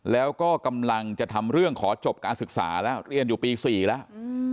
แล้วก็กำลังจะทำเรื่องขอจบการศึกษาแล้วเรียนอยู่ปี๔แล้ว